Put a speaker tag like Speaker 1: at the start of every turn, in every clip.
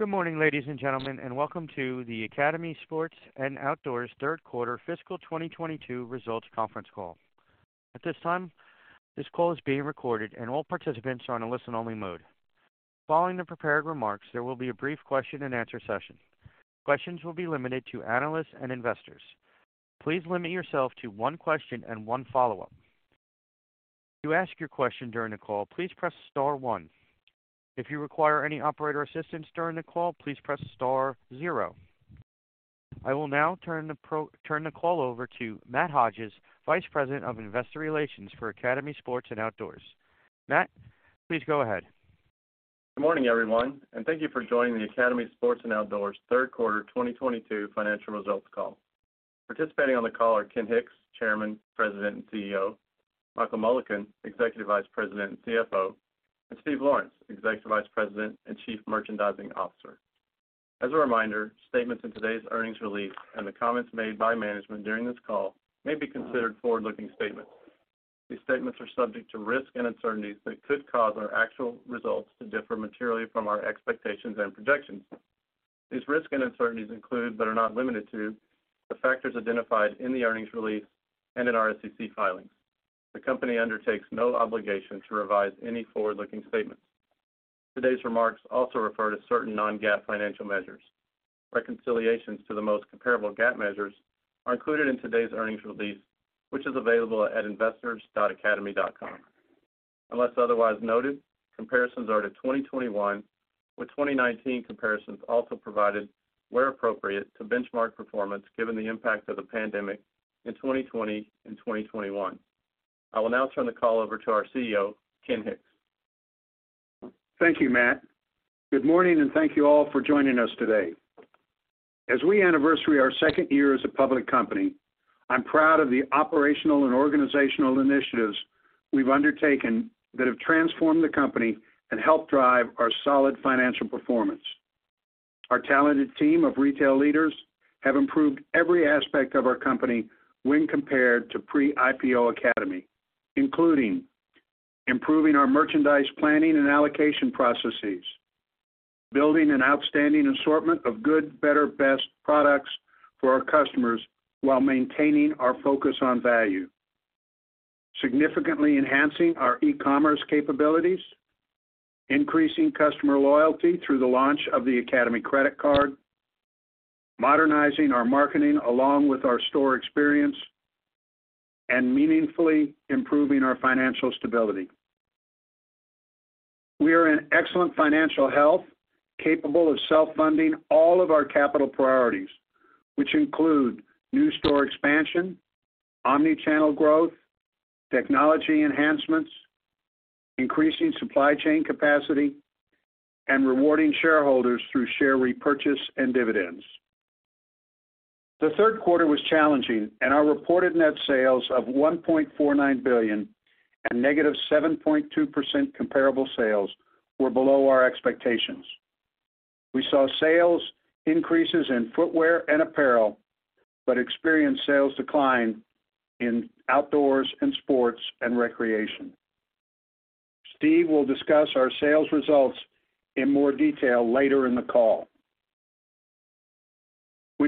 Speaker 1: Good morning, ladies and gentlemen, welcome to the Academy Sports and Outdoors Third Quarter Fiscal 2022 Results Conference Call. At this time, this call is being recorded and all participants are in a listen-only mode. Following the prepared remarks, there will be a brief question and answer session. Questions will be limited to analysts and investors. Please limit yourself to one question and one follow-up. To ask your question during the call, please press star one. If you require any operator assistance during the call, please press star zero. I will now turn the call over to Matt Hodges, Vice President of Investor Relations for Academy Sports and Outdoors. Matt, please go ahead.
Speaker 2: Good morning, everyone, and thank you for joining the Academy Sports and Outdoors third quarter 2022 financial results call. Participating on the call are Ken Hicks, Chairman, President, and CEO, Michael Mullican, Executive Vice President and CFO, and Steve Lawrence, Executive Vice President and Chief Merchandising Officer. As a reminder, statements in today's earnings release and the comments made by management during this call may be considered forward-looking statements. These statements are subject to risks and uncertainties that could cause our actual results to differ materially from our expectations and projections. These risks and uncertainties include, but are not limited to, the factors identified in the earnings release and in our SEC filings. The company undertakes no obligation to revise any forward-looking statements. Today's remarks also refer to certain non-GAAP financial measures. Reconciliations to the most comparable GAAP measures are included in today's earnings release, which is available at investors.academy.com. Unless otherwise noted, comparisons are to 2021, with 2019 comparisons also provided where appropriate to benchmark performance given the impact of the pandemic in 2020 and 2021. I will now turn the call over to our CEO, Ken Hicks.
Speaker 3: Thank you, Matt. Good morning, and thank you all for joining us today. As we anniversary our second year as a public company, I'm proud of the operational and organizational initiatives we've undertaken that have transformed the company and helped drive our solid financial performance. Our talented team of retail leaders have improved every aspect of our company when compared to pre-IPO Academy, including improving our merchandise planning and allocation processes, building an outstanding assortment of good, better, best products for our customers while maintaining our focus on value, significantly enhancing our e-commerce capabilities, increasing customer loyalty through the launch of the Academy credit card, modernizing our marketing along with our store experience, and meaningfully improving our financial stability. We are in excellent financial health, capable of self-funding all of our capital priorities, which include new store expansion, omni-channel growth, technology enhancements, increasing supply chain capacity, and rewarding shareholders through share repurchase and dividends. The third quarter was challenging, our reported net sales of $1.49 billion and -7.2% comparable sales were below our expectations. We saw sales increases in footwear and apparel, but experienced sales decline in outdoors and sports and recreation. Steve will discuss our sales results in more detail later in the call.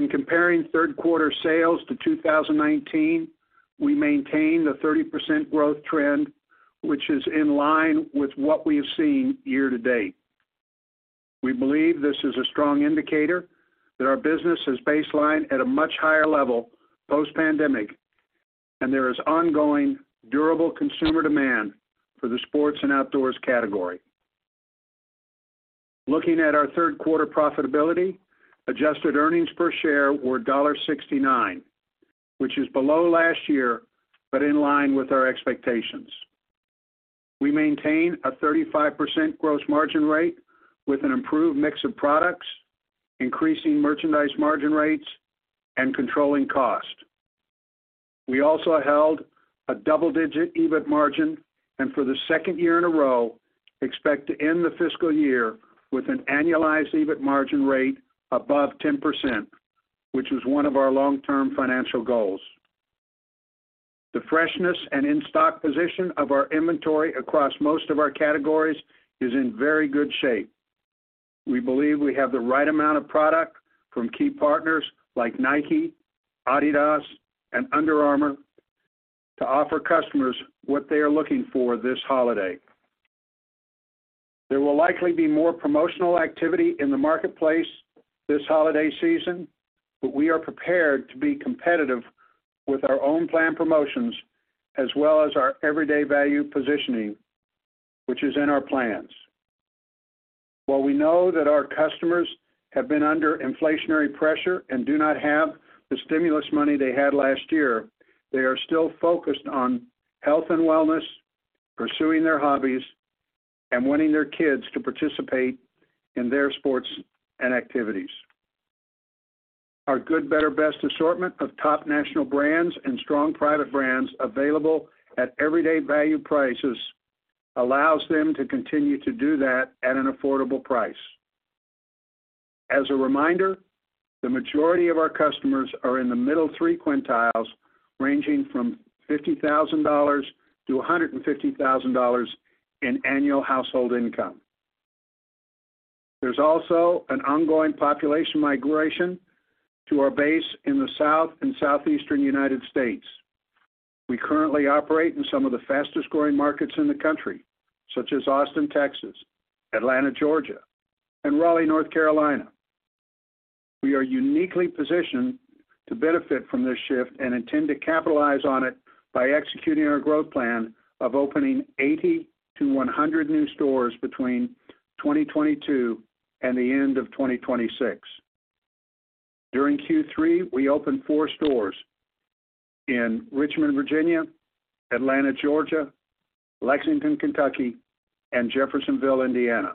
Speaker 3: When comparing third quarter sales to 2019, we maintained a 30% growth trend, which is in line with what we have seen year-to-date. We believe this is a strong indicator that our business has baselined at a much higher level post-pandemic, and there is ongoing durable consumer demand for the sports and outdoors category. Looking at our third quarter profitability, adjusted earnings per share were $1.69, which is below last year but in line with our expectations. We maintained a 35% gross margin rate with an improved mix of products, increasing merchandise margin rates, and controlling cost. We also held a double-digit EBIT margin and for the second year in a row, expect to end the fiscal year with an annualized EBIT margin rate above 10%, which was one of our long-term financial goals. The freshness and in-stock position of our inventory across most of our categories is in very good shape. We believe we have the right amount of product from key partners like Nike, Adidas, and Under Armour to offer customers what they are looking for this holiday. There will likely be more promotional activity in the marketplace this holiday season. We are prepared to be competitive with our own planned promotions as well as our everyday value positioning, which is in our plans. We know that our customers have been under inflationary pressure and do not have the stimulus money they had last year, they are still focused on health and wellness, pursuing their hobbies, and wanting their kids to participate in their sports and activities. Our good, better, best assortment of top national brands and strong private brands available at everyday value prices allows them to continue to do that at an affordable price. As a reminder, the majority of our customers are in the middle three quintiles, ranging from $50,000-$150,000 in annual household income. There's also an ongoing population migration to our base in the South and Southeastern United States. We currently operate in some of the fastest-growing markets in the country, such as Austin, Texas, Atlanta, Georgia, and Raleigh, North Carolina. We are uniquely positioned to benefit from this shift and intend to capitalize on it by executing our growth plan of opening 80-100 new stores between 2022 and the end of 2026. During Q3, we opened four stores in Richmond, Virginia, Atlanta, Georgia, Lexington, Kentucky, and Jeffersonville, Indiana.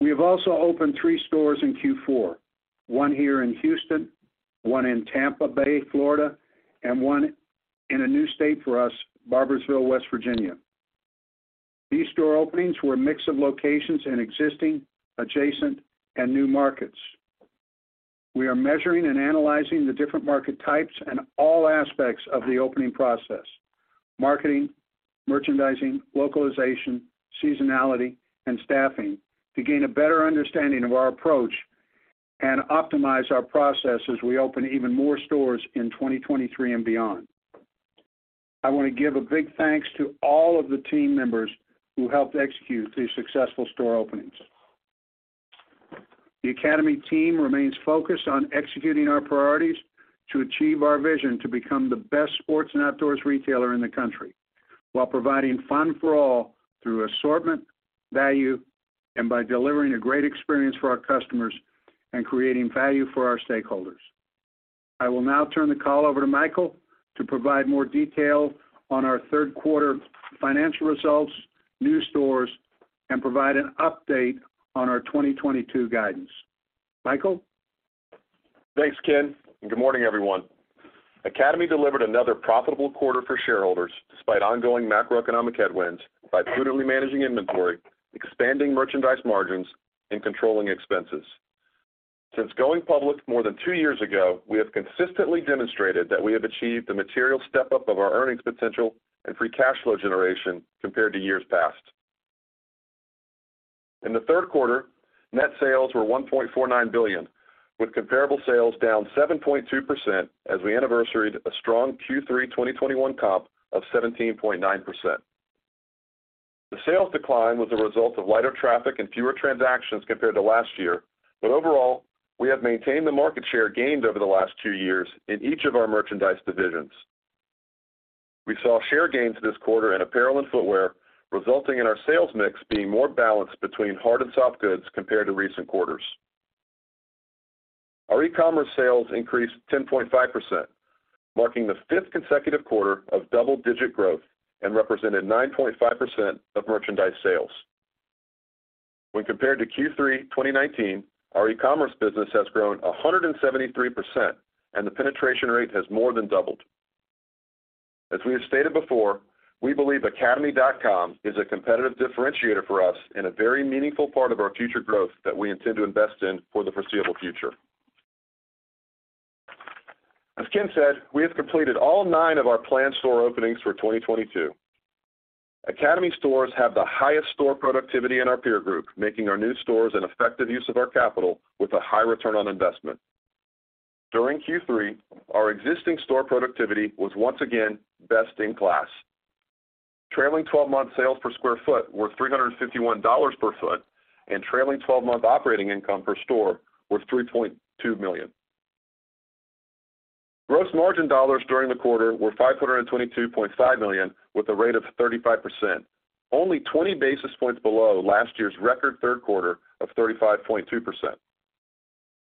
Speaker 3: We have also opened three stores in Q4, one here in Houston, one in Tampa Bay, Florida, and one in a new state for us, Barboursville, West Virginia. These store openings were a mix of locations in existing, adjacent, and new markets. We are measuring and analyzing the different market types and all aspects of the opening process: marketing, merchandising, localization, seasonality, and staffing to gain a better understanding of our approach and optimize our process as we open even more stores in 2023 and beyond. I wanna give a big thanks to all of the team members who helped execute these successful store openings. The Academy team remains focused on executing our priorities to achieve our vision to become the best sports and outdoors retailer in the country while providing fun for all through assortment, value, and by delivering a great experience for our customers and creating value for our stakeholders. I will now turn the call over to Michael to provide more detail on our third quarter financial results, new stores, and provide an update on our 2022 guidance. Michael?
Speaker 4: Thanks, Ken, and good morning, everyone. Academy delivered another profitable quarter for shareholders despite ongoing macroeconomic headwinds by prudently managing inventory, expanding merchandise margins, and controlling expenses. Since going public more than two years ago, we have consistently demonstrated that we have achieved the material step-up of our earnings potential and free cash flow generation compared to years past. In the third quarter, net sales were $1.49 billion, with comparable sales down 7.2% as we anniversaried a strong Q3 2021 comp of 17.9%. The sales decline was a result of lighter traffic and fewer transactions compared to last year, but overall, we have maintained the market share gained over the last two years in each of our merchandise divisions. We saw share gains this quarter in apparel and footwear, resulting in our sales mix being more balanced between hard and soft goods compared to recent quarters. Our e-commerce sales increased 10.5%, marking the fifth consecutive quarter of double-digit growth and represented 9.5% of merchandise sales. When compared to Q3 2019, our e-commerce business has grown 173%, and the penetration rate has more than doubled. As we have stated before, we believe academy.com is a competitive differentiator for us and a very meaningful part of our future growth that we intend to invest in for the foreseeable future. As Ken said, we have completed all nine of our planned store openings for 2022. Academy stores have the highest store productivity in our peer group, making our new stores an effective use of our capital with a high return on investment. During Q3, our existing store productivity was once again best in class. Trailing 12-month sales per square foot were $351 per foot, and trailing 12-month operating income per store was $3.2 million. Gross margin dollars during the quarter were $522.5 million with a rate of 35%, only 20 basis points below last year's record third quarter of 35.2%.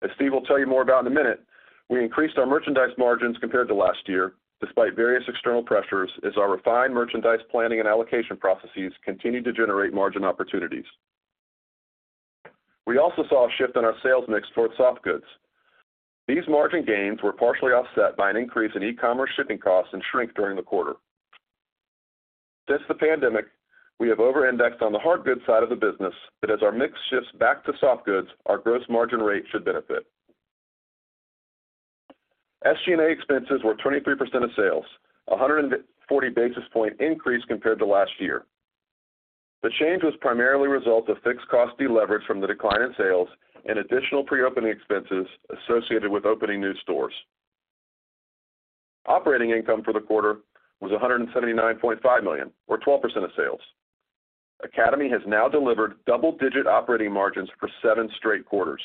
Speaker 4: As Steve will tell you more about in a minute, we increased our merchandise margins compared to last year despite various external pressures as our refined merchandise planning and allocation processes continued to generate margin opportunities. We also saw a shift in our sales mix towards soft goods. These margin gains were partially offset by an increase in e-commerce shipping costs and shrink during the quarter. Since the pandemic, we have over-indexed on the hard goods side of the business, but as our mix shifts back to soft goods, our gross margin rate should benefit. SG&A expenses were 23% of sales, a 140 basis point increase compared to last year. The change was primarily a result of fixed cost deleverage from the decline in sales and additional pre-opening expenses associated with opening new stores. Operating income for the quarter was $179.5 million or 12% of sales. Academy has now delivered double-digit operating margins for seven straight quarters.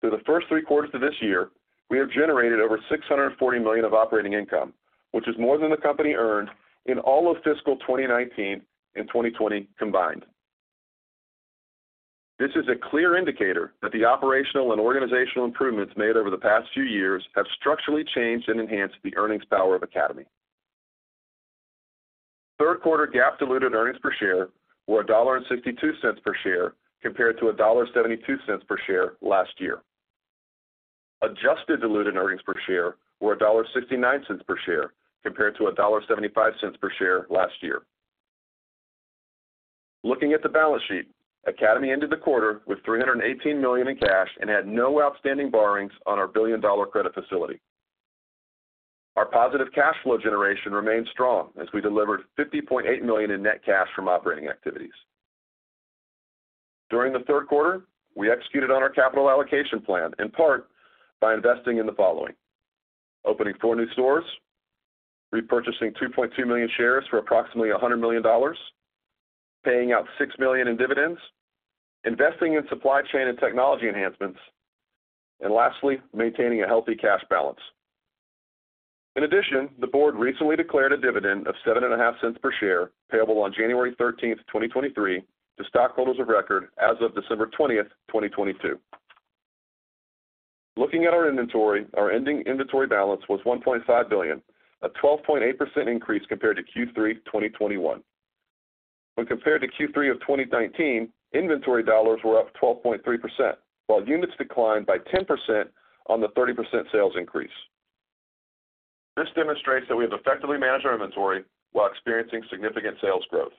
Speaker 4: Through the first three quarters of this year, we have generated over $640 million of operating income, which is more than the company earned in all of fiscal 2019 and 2020 combined. This is a clear indicator that the operational and organizational improvements made over the past few years have structurally changed and enhanced the earnings power of Academy. Third quarter GAAP diluted earnings per share were $1.62 per share compared to $1.72 per share last year. Adjusted diluted earnings per share were $1.69 per share compared to $1.75 per share last year. Looking at the balance sheet, Academy ended the quarter with $318 million in cash and had no outstanding borrowings on our billion-dollar credit facility. Our positive cash flow generation remained strong as we delivered $50.8 million in net cash from operating activities. During the third quarter, we executed on our capital allocation plan, in part by investing in the following: opening four new stores, repurchasing 2.2 million shares for approximately $100 million, paying out $6 million in dividends, investing in supply chain and technology enhancements, and lastly, maintaining a healthy cash balance. In addition, the board recently declared a dividend of $0.075 per share payable on January 13, 2023 to stockholders of record as of December 20, 2022. Looking at our inventory, our ending inventory balance was $1.5 billion, a 12.8% increase compared to Q3 2021. When compared to Q3 of 2019, inventory dollars were up 12.3%, while units declined by 10% on the 30% sales increase. This demonstrates that we have effectively managed our inventory while experiencing significant sales growth.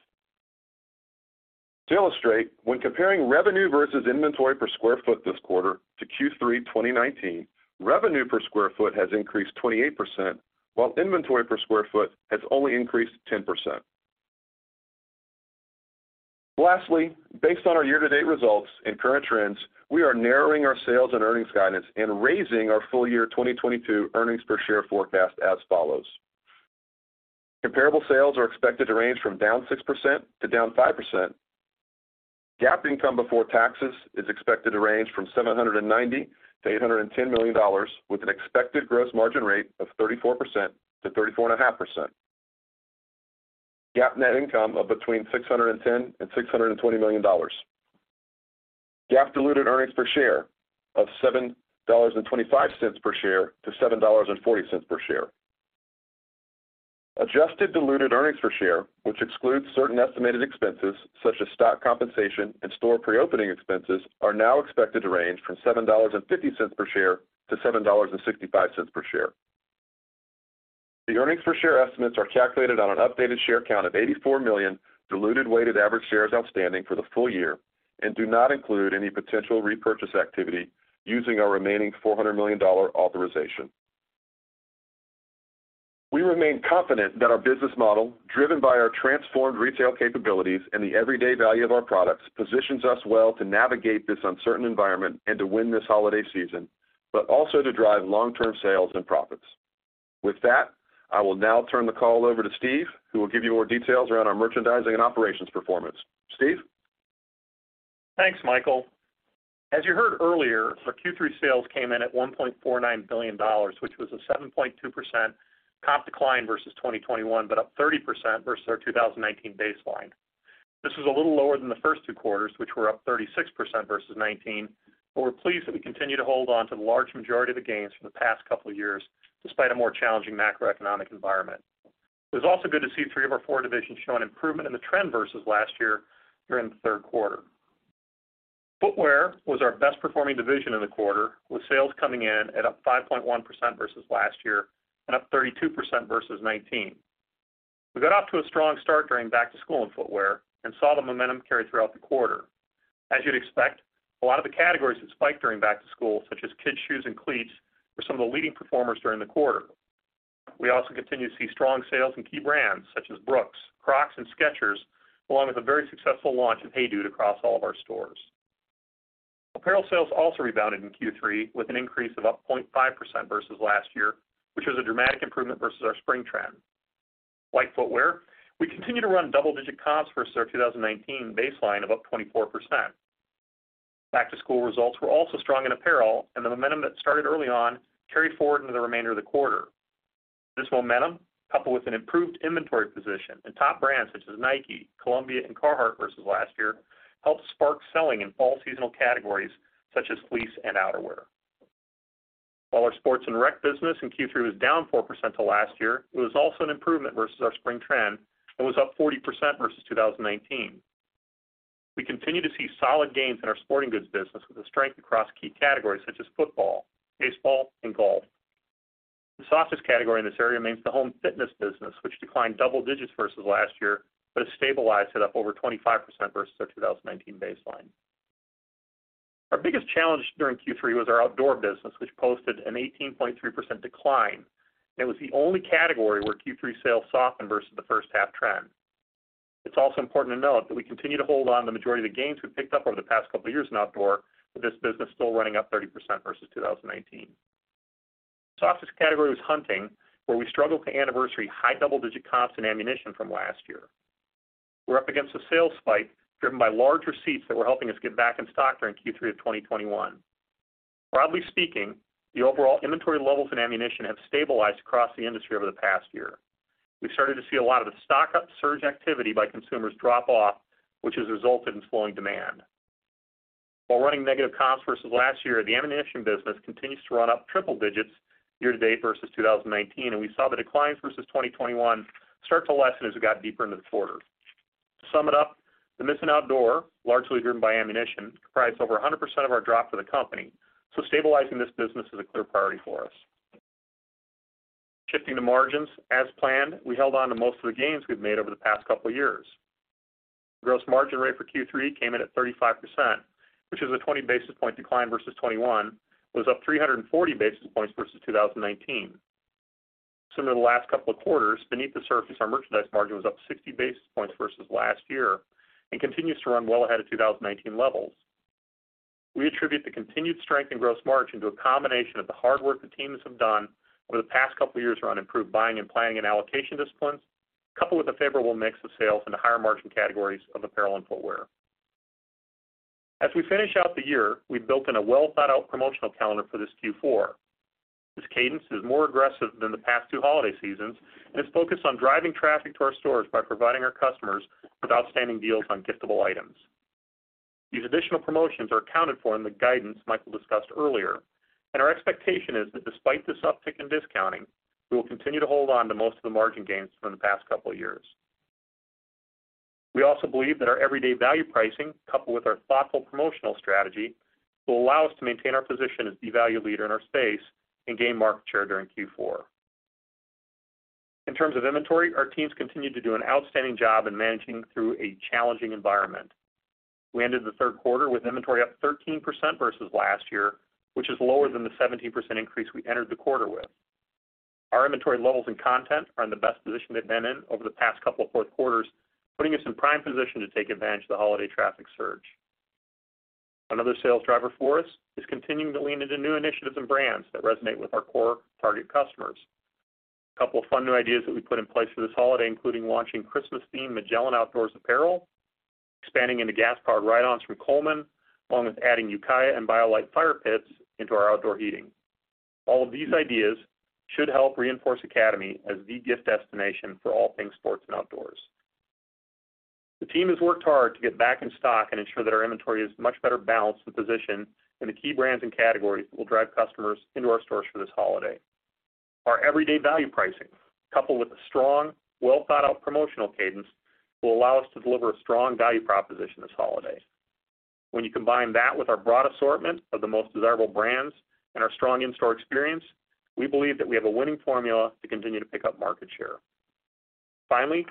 Speaker 4: To illustrate, when comparing revenue versus inventory per square foot this quarter to Q3 2019, revenue per square foot has increased 28%, while inventory per square foot has only increased 10%. Lastly, based on our year-to-date results and current trends, we are narrowing our sales and earnings guidance and raising our full year 2022 earnings per share forecast as follows. Comparable sales are expected to range from down 6% to down 5%. GAAP income before taxes is expected to range from $790 million-$810 million with an expected gross margin rate of 34% to 34 and a half %. GAAP net income of between $610 million and $620 million. GAAP diluted earnings per share of $7.25 per share to $7.40 per share. Adjusted diluted earnings per share, which excludes certain estimated expenses such as stock compensation and store pre-opening expenses, are now expected to range from $7.50 per share to $7.65 per share. The earnings per share estimates are calculated on an updated share count of 84 million diluted weighted average shares outstanding for the full year and do not include any potential repurchase activity using our remaining $400 million authorization. We remain confident that our business model, driven by our transformed retail capabilities and the everyday value of our products, positions us well to navigate this uncertain environment and to win this holiday season, but also to drive long-term sales and profits. With that, I will now turn the call over to Steve, who will give you more details around our merchandising and operations performance. Steve?
Speaker 5: Thanks, Michael. As you heard earlier, our Q3 sales came in at $1.49 billion, which was a 7.2% comp decline versus 2021. Up 30% versus our 2019 baseline. This was a little lower than the first two quarters, which were up 36% versus 2019. We're pleased that we continue to hold on to the large majority of the gains from the past couple of years despite a more challenging macroeconomic environment. It was also good to see three of our four divisions show an improvement in the trend versus last year during the third quarter. Footwear was our best performing division in the quarter, with sales coming in at up 5.1% versus last year and up 32% versus 2019. We got off to a strong start during back to school in footwear and saw the momentum carry throughout the quarter. As you'd expect, a lot of the categories that spiked during back to school, such as kids' shoes and cleats, were some of the leading performers during the quarter. We also continue to see strong sales in key brands such as Brooks, Crocs, and Skechers, along with a very successful launch of Hey Dude across all of our stores. Apparel sales also rebounded in Q3 with an increase of up 0.5% versus last year, which was a dramatic improvement versus our spring trend. Like footwear, we continue to run double-digit comps versus our 2019 baseline of up 24%. Back to school results were also strong in apparel. The momentum that started early on carried forward into the remainder of the quarter. This momentum, coupled with an improved inventory position in top brands such as Nike, Columbia, and Carhartt versus last year, helped spark selling in fall seasonal categories such as fleece and outerwear. While our sports and rec business in Q3 was down 4% to last year, it was also an improvement versus our spring trend and was up 40% versus 2019. We continue to see solid gains in our sporting goods business with a strength across key categories such as football, baseball, and golf. The softest category in this area remains the Home fitness business, which declined double digits versus last year, but has stabilized to up over 25% versus our 2019 baseline. Our biggest challenge during Q3 was our outdoor business, which posted an 18.3% decline, and it was the only category where Q3 sales softened versus the first half trend. It's also important to note that we continue to hold on to the majority of the gains we've picked up over the past couple years in outdoor, with this business still running up 30% versus 2019. The softest category was hunting, where we struggled to anniversary high double-digit comps and ammunition from last year. We're up against a sales spike driven by larger seats that were helping us get back in stock during Q3 of 2021. Broadly speaking, the overall inventory levels in ammunition have stabilized across the industry over the past year. We've started to see a lot of the stock-up surge activity by consumers drop off, which has resulted in slowing demand. While running negative comps versus last year, the ammunition business continues to run up triple digits year to date versus 2019. We saw the declines versus 2021 start to lessen as we got deeper into the quarter. To sum it up, the missing outdoor, largely driven by ammunition, comprise over 100% of our drop for the company. Stabilizing this business is a clear priority for us. Shifting to margins. As planned, we held on to most of the gains we've made over the past couple of years. Gross margin rate for Q3 came in at 35%, which is a 20 basis point decline versus 21. Was up 340 basis points versus 2019. Similar to the last couple of quarters, beneath the surface, our merchandise margin was up 60 basis points versus last year and continues to run well ahead of 2019 levels. We attribute the continued strength in gross margin to a combination of the hard work the teams have done over the past couple of years around improved buying and planning and allocation disciplines, coupled with a favorable mix of sales in the higher margin categories of apparel and footwear. As we finish out the year, we've built in a well-thought-out promotional calendar for this Q4. This cadence is more aggressive than the past two holiday seasons and is focused on driving traffic to our stores by providing our customers with outstanding deals on giftable items. These additional promotions are accounted for in the guidance Michael discussed earlier. Our expectation is that despite this uptick in discounting, we will continue to hold on to most of the margin gains from the past couple of years. We also believe that our everyday value pricing, coupled with our thoughtful promotional strategy, will allow us to maintain our position as the value leader in our space and gain market share during Q4. In terms of inventory, our teams continued to do an outstanding job in managing through a challenging environment. We ended the third quarter with inventory up 13% versus last year, which is lower than the 17% increase we entered the quarter with. Our inventory levels and content are in the best position they've been in over the past couple of fourth quarters, putting us in prime position to take advantage of the holiday traffic surge. Another sales driver for us is continuing to lean into new initiatives and brands that resonate with our core target customers. A couple of fun new ideas that we put in place for this holiday, including launching Christmas-themed Magellan Outdoors apparel, expanding into gas-powered ride-ons from Coleman, along with adding Ukiah and BioLite fire pits into our outdoor heating. All of these ideas should help reinforce Academy as the gift destination for all things sports and outdoors. The team has worked hard to get back in stock and ensure that our inventory is much better balanced and positioned, and the key brands and categories will drive customers into our stores for this holiday. Our everyday value pricing, coupled with a strong, well-thought-out promotional cadence, will allow us to deliver a strong value proposition this holiday. When you combine that with our broad assortment of the most desirable brands and our strong in-store experience, we believe that we have a winning formula to continue to pick up market share. Finally,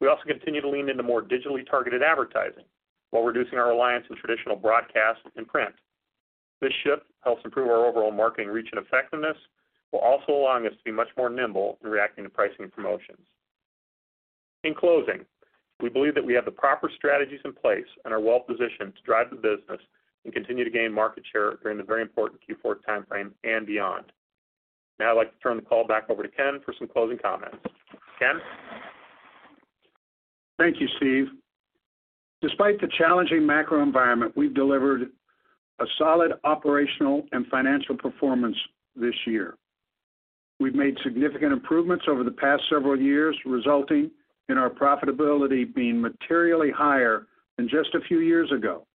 Speaker 5: we also continue to lean into more digitally targeted advertising while reducing our reliance on traditional broadcast and print. This shift helps improve our overall marketing reach and effectiveness, while also allowing us to be much more nimble in reacting to pricing and promotions. In closing, we believe that we have the proper strategies in place and are well positioned to drive the business and continue to gain market share during the very important Q4 timeframe and beyond. Now I'd like to turn the call back over to Ken for some closing comments. Ken?
Speaker 3: Thank you, Steve. Despite the challenging macro environment, we've delivered a solid operational and financial performance this year. We've made significant improvements over the past several years, resulting in our profitability being materially higher than just a few years ago.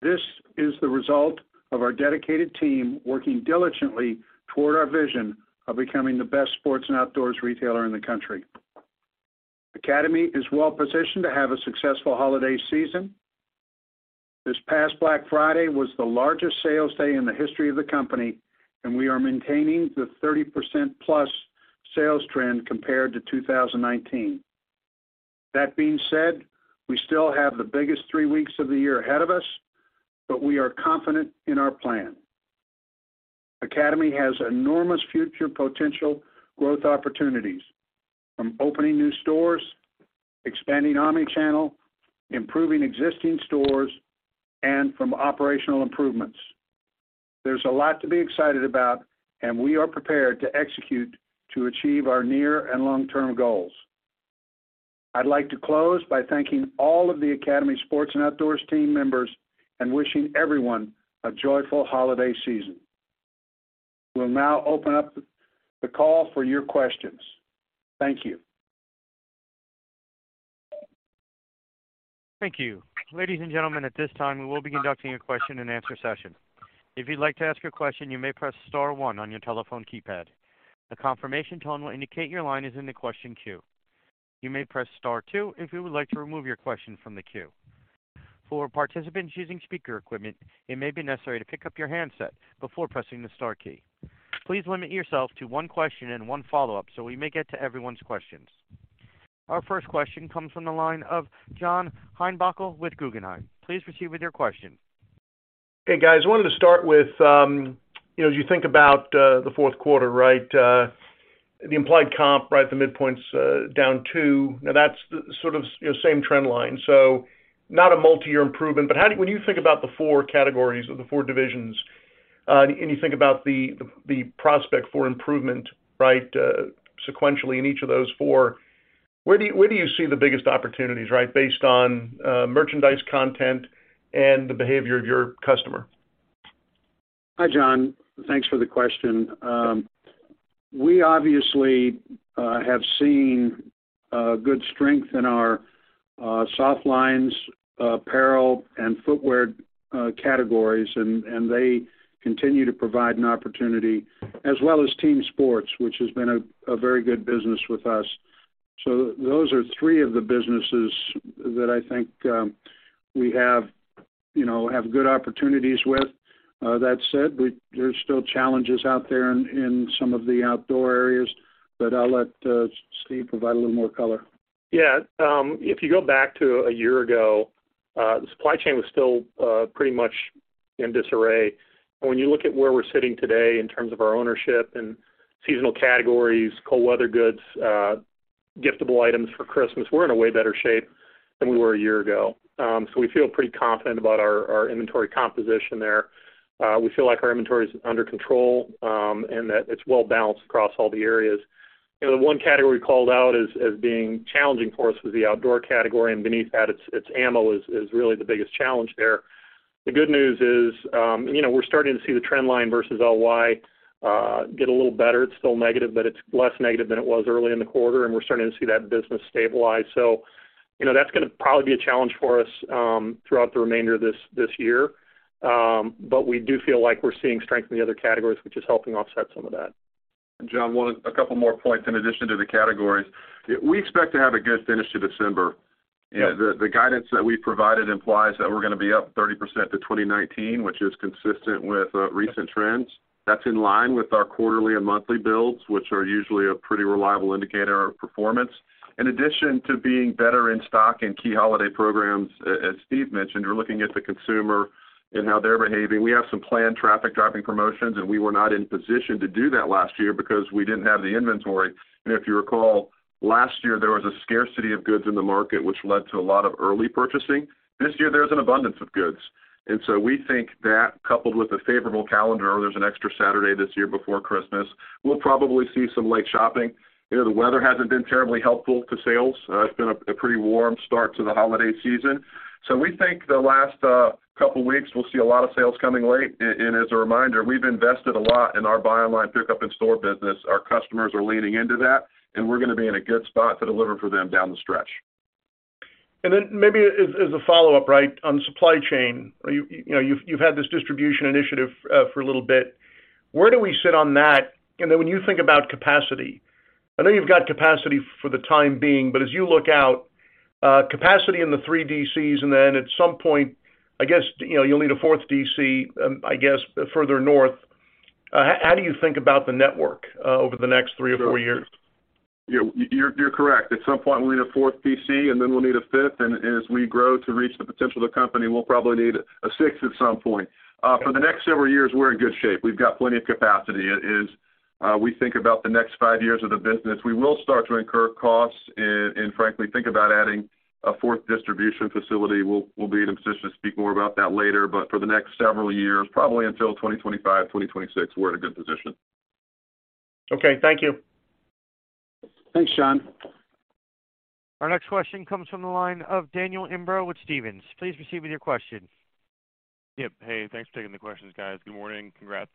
Speaker 3: This is the result of our dedicated team working diligently toward our vision of becoming the best sports and outdoors retailer in the country. Academy is well positioned to have a successful holiday season. This past Black Friday was the largest sales day in the history of the company, and we are maintaining the 30%+ sales trend compared to 2019. That being said, we still have the biggest three weeks of the year ahead of us, but we are confident in our plan. Academy has enormous future potential growth opportunities, from opening new stores, expanding omnichannel, improving existing stores, and from operational improvements. There's a lot to be excited about, and we are prepared to execute to achieve our near and long-term goals. I'd like to close by thanking all of the Academy Sports and Outdoors team members and wishing everyone a joyful holiday season. We'll now open up the call for your questions. Thank you.
Speaker 1: Thank you. Ladies and gentlemen, at this time, we will be conducting a question-and-answer session. If you'd like to ask a question, you may press star one on your telephone keypad. A confirmation tone will indicate your line is in the question queue. You may press star two if you would like to remove your question from the queue. For participants using speaker equipment, it may be necessary to pick up your handset before pressing the star key. Please limit yourself to one question and one follow-up so we may get to everyone's questions. Our first question comes from the line of John Heinbockel with Guggenheim. Please proceed with your question.
Speaker 6: Hey, guys. I wanted to start with, you know, as you think about the fourth quarter, right, the implied comp, right, the midpoint's down two. That's sort of, you know, same trend line. Not a multi-year improvement. When you think about the four categories or the four divisions, and you think about the prospect for improvement, right, sequentially in each of those four, where do you see the biggest opportunities, right? Based on merchandise content and the behavior of your customer.
Speaker 3: Hi, John. Thanks for the question. We obviously have seen good strength in our soft lines apparel and footwear categories, and they continue to provide an opportunity, as well as team sports, which has been a very good business with us. Those are three of the businesses that I think, we have, you know, have good opportunities with. That said, there's still challenges out there in some of the outdoor areas. I'll let Steve provide a little more color.
Speaker 5: Yeah. If you go back to a year ago, the supply chain was still pretty much in disarray. When you look at where we're sitting today in terms of our ownership and seasonal categories, cold weather goods, giftable items for Christmas, we're in a way better shape than we were a year ago. We feel pretty confident about our inventory composition there. We feel like our inventory is under control, and that it's well-balanced across all the areas. You know, the one category called out as being challenging for us was the outdoor category, and beneath that, its ammo is really the biggest challenge there. The good news is, you know, we're starting to see the trend line versus LY, get a little better. It's still negative, but it's less negative than it was early in the quarter, and we're starting to see that business stabilize. You know, that's gonna probably be a challenge for us throughout the remainder of this year. We do feel like we're seeing strength in the other categories, which is helping offset some of that.
Speaker 4: John, a couple more points in addition to the categories. We expect to have a good finish to December. The guidance that we provided implies that we're gonna be up 30% to 2019, which is consistent with recent trends. That's in line with our quarterly and monthly builds, which are usually a pretty reliable indicator of performance. In addition to being better in stock in key holiday programs, as Steve mentioned, we're looking at the consumer and how they're behaving. We have some planned traffic-driving promotions, and we were not in position to do that last year because we didn't have the inventory. If you recall, last year, there was a scarcity of goods in the market, which led to a lot of early purchasing. This year, there's an abundance of goods. We think that, coupled with a favorable calendar, there's an extra Saturday this year before Christmas, we'll probably see some late shopping. You know, the weather hasn't been terribly helpful to sales. It's been a pretty warm start to the holiday season. We think the last couple weeks we'll see a lot of sales coming late. And as a reminder, we've invested a lot in our buy online, pickup in store business. Our customers are leaning into that, and we're gonna be in a good spot to deliver for them down the stretch.
Speaker 6: Then maybe as a follow-up, right, on supply chain. You know, you've had this distribution initiative, for a little bit. Where do we sit on that? Then when you think about capacity, I know you've got capacity for the time being, but as you look out, capacity in the three DCs, and then at some point, I guess, you know, you'll need a fourth DC, I guess further north. How do you think about the network, over the next three or four years?
Speaker 4: Yeah. You're correct. At some point, we'll need a fourth DC, and then we'll need a fifth. As we grow to reach the potential of the company, we'll probably need a sixth at some point. For the next several years, we're in good shape. We've got plenty of capacity. As we think about the next five years of the business, we will start to incur costs and frankly, think about adding a fourth distribution facility. We'll be in a position to speak more about that later. For the next several years, probably until 2025, 2026, we're in a good position.
Speaker 6: Okay, thank you.
Speaker 3: Thanks, John.
Speaker 1: Our next question comes from the line of Daniel Imbro with Stephens. Please proceed with your question.
Speaker 7: Yep. Hey, thanks for taking the questions, guys. Good morning. Congrats.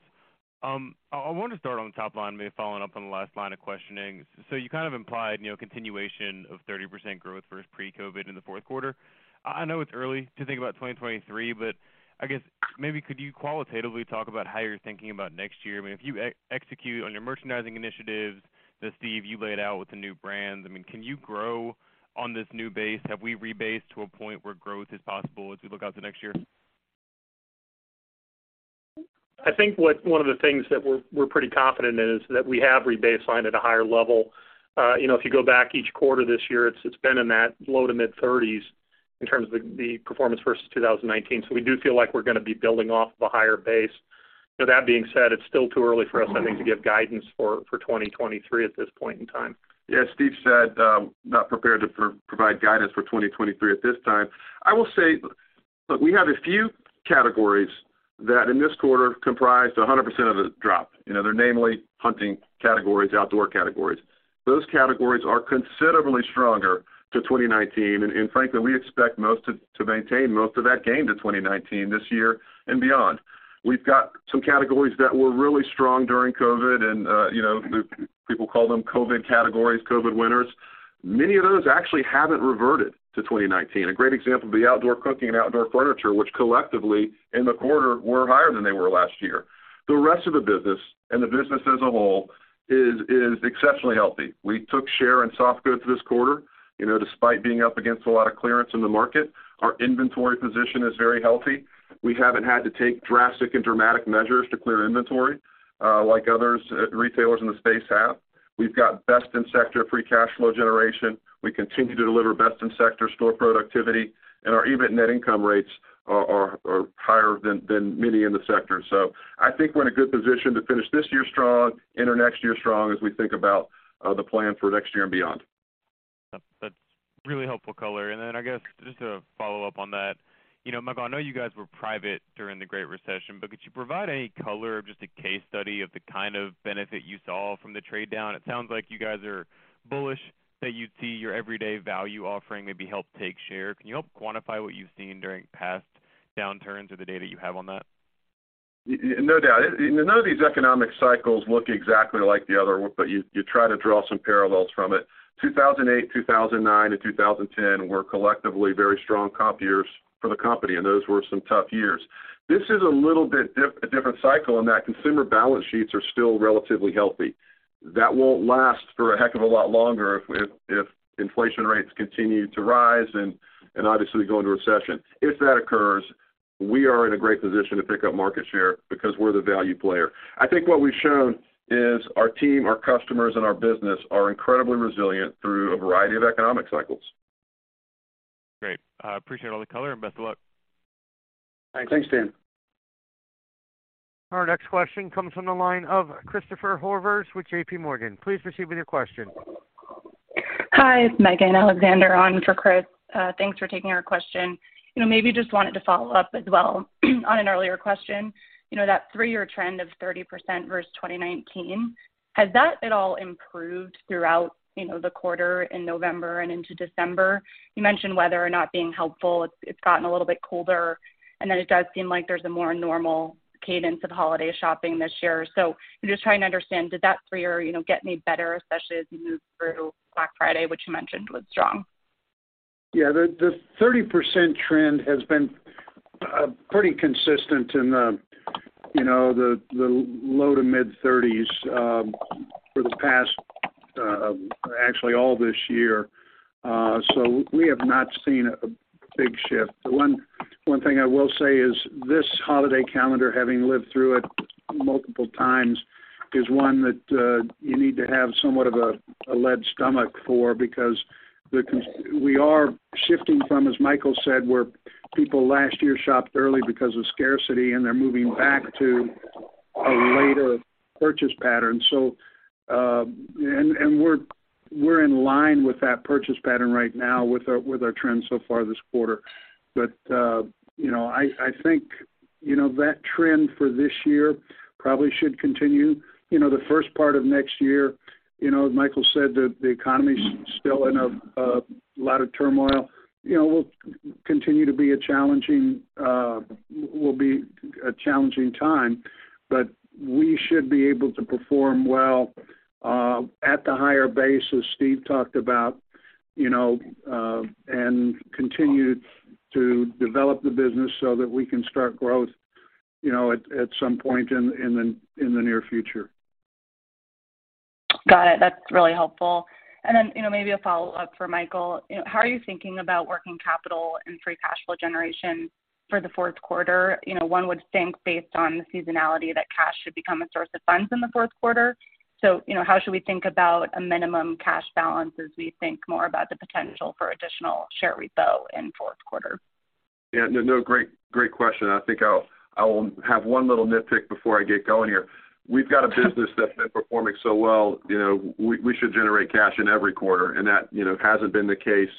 Speaker 7: I want to start on the top line, maybe following up on the last line of questioning. You kind of implied, you know, continuation of 30% growth versus pre-COVID in the fourth quarter. I know it's early to think about 2023, but I guess maybe could you qualitatively talk about how you're thinking about next year? I mean, if you execute on your merchandising initiatives that, Steve, you laid out with the new brands, I mean, can you grow on this new base? Have we rebased to a point where growth is possible as we look out to next year?
Speaker 5: I think what one of the things that we're pretty confident in is that we have rebased line at a higher level. You know, if you go back each quarter this year, it's been in that low to mid 30s in terms of the performance versus 2019. We do feel like we're gonna be building off of a higher base. That being said, it's still too early for us, I think, to give guidance for 2023 at this point in time.
Speaker 4: Yeah, Steve said, not prepared to provide guidance for 2023 at this time. I will say, look, we have a few categories that, in this quarter, comprised 100% of the drop. You know, they're namely hunting categories, outdoor categories. Those categories are considerably stronger to 2019, and frankly, we expect most to maintain most of that gain to 2019 this year and beyond. We've got some categories that were really strong during COVID, and you know, people call them COVID categories, COVID winners. Many of those actually haven't reverted to 2019. A great example would be outdoor cooking and outdoor furniture, which collectively, in the quarter, were higher than they were last year. The rest of the business, and the business as a whole, is exceptionally healthy. We took share in soft goods this quarter, you know, despite being up against a lot of clearance in the market. Our inventory position is very healthy. We haven't had to take drastic and dramatic measures to clear inventory, like others, retailers in the space have. We've got best in sector free cash flow generation. We continue to deliver best in sector store productivity, and our EBIT net income rates are higher than many in the sector. I think we're in a good position to finish this year strong, enter next year strong as we think about the plan for next year and beyond.
Speaker 7: That's really helpful color. Then I guess just to follow up on that, you know, Michael, I know you guys were private during the Great Recession, but could you provide any color of just a case study of the kind of benefit you saw from the trade down? It sounds like you guys are bullish that you'd see your everyday value offering maybe help take share. Can you help quantify what you've seen during past downturns or the data you have on that?
Speaker 4: No doubt. None of these economic cycles look exactly like the other one, you try to draw some parallels from it. 2008, 2009, and 2010 were collectively very strong comp years for the company, those were some tough years. This is a little bit a different cycle in that consumer balance sheets are still relatively healthy. That won't last for a heck of a lot longer if inflation rates continue to rise and obviously go into recession. If that occurs, we are in a great position to pick up market share because we're the value player. I think what we've shown is our team, our customers, and our business are incredibly resilient through a variety of economic cycles.
Speaker 7: Great. I appreciate all the color and best of luck.
Speaker 4: Thanks.
Speaker 3: Thanks, Dan.
Speaker 1: Our next question comes from the line of Christopher Horvers with JPMorgan. Please proceed with your question.
Speaker 8: Hi, it's Megan Alexander on for Chris. Thanks for taking our question. You know, maybe just wanted to follow up as well on an earlier question. You know, that three-year trend of 30% versus 2019, has that at all improved throughout, you know, the quarter in November and into December? You mentioned weather or not being helpful. It's gotten a little bit colder, and then it does seem like there's a more normal cadence of holiday shopping this year. I'm just trying to understand, did that three-year, you know, get any better, especially as you move through Black Friday, which you mentioned was strong?
Speaker 3: The 30% trend has been pretty consistent in the, you know, the low to mid 30s for the past actually all this year. We have not seen a big shift. The one thing I will say is this holiday calendar, having lived through it multiple times, is one that you need to have somewhat of a lead stomach for because we are shifting from, as Michael said, where people last year shopped early because of scarcity, and they're moving back to a later purchase pattern. We're in line with that purchase pattern right now with our trends so far this quarter. You know, I think, you know, that trend for this year probably should continue. You know, the first part of next year, you know, as Michael said, the economy's still in a lot of turmoil. You know, will be a challenging time. We should be able to perform well, at the higher base as Steve talked about, you know, and continue to develop the business so that we can start growth, you know, at some point in the near future.
Speaker 8: Got it. That's really helpful. Then, you know, maybe a follow-up for Michael. How are you thinking about working capital and free cash flow generation for the fourth quarter? You know, one would think based on the seasonality that cash should become a source of funds in the fourth quarter. You know, how should we think about a minimum cash balance as we think more about the potential for additional share repo in fourth quarter?
Speaker 4: Yeah. No, no, great question. I think I'll have one little nitpick before I get going here. We've got a business that's been performing so well, you know, we should generate cash in every quarter, and that, you know, hasn't been the case,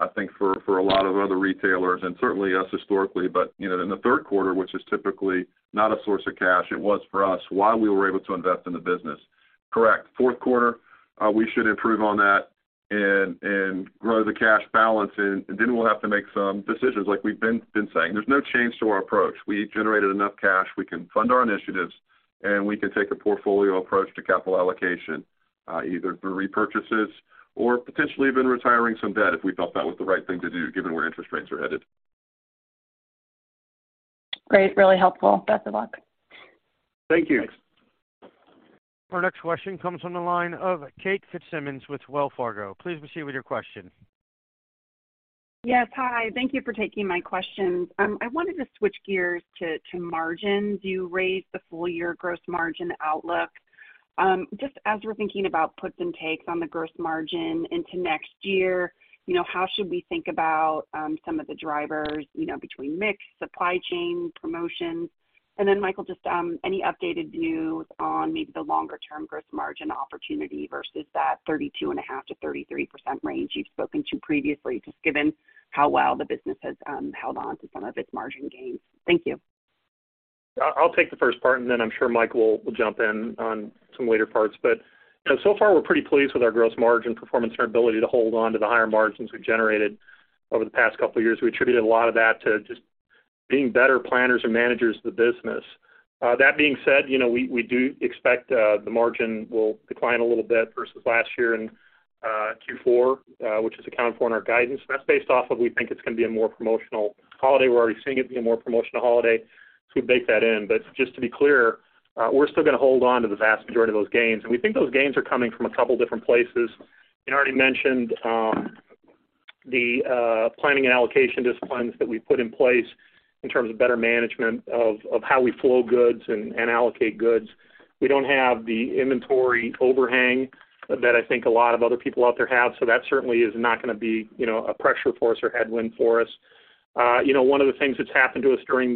Speaker 4: I think for a lot of other retailers and certainly us historically. You know, in the third quarter, which is typically not a source of cash, it was for us why we were able to invest in the business. Correct. Fourth quarter, we should improve on that and grow the cash balance, and then we'll have to make some decisions like we've been saying. There's no change to our approach. We generated enough cash, we can fund our initiatives, and we can take a portfolio approach to capital allocation, either through repurchases or potentially even retiring some debt if we felt that was the right thing to do given where interest rates are headed.
Speaker 8: Great. Really helpful. Best of luck.
Speaker 4: Thank you.
Speaker 1: Our next question comes from the line of Kate Fitzsimons with Wells Fargo. Please proceed with your question.
Speaker 9: Yes. Hi. Thank you for taking my questions. I wanted to switch gears to margins. You raised the full-year gross margin outlook. Just as we're thinking about puts and takes on the gross margin into next year, you know, how should we think about some of the drivers, you know, between mix, supply chain, promotions? Then Michael, just, any updated views on maybe the longer term gross margin opportunity versus that 32.5%-33% range you've spoken to previously, just given how well the business has held on to some of its margin gains? Thank you.
Speaker 5: I'll take the first part, and then I'm sure Michael will jump in on some later parts. You know, so far, we're pretty pleased with our gross margin performance and our ability to hold on to the higher margins we generated over the past couple of years. We attributed a lot of that to just being better planners and managers of the business. That being said, you know, we do expect the margin will decline a little bit versus last year in Q4, which is accounted for in our guidance. That's based off of we think it's gonna be a more promotional holiday. We're already seeing it be a more promotional holiday, so we baked that in. Just to be clear, we're still gonna hold on to the vast majority of those gains. We think those gains are coming from a couple different places. We already mentioned the planning and allocation disciplines that we put in place in terms of better management of how we flow goods and allocate goods. We don't have the inventory overhang that I think a lot of other people out there have. That certainly is not gonna be, you know, a pressure for us or headwind for us. You know, one of the things that's happened to us during